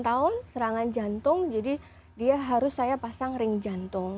dua puluh tahun serangan jantung jadi dia harus saya pasang ring jantung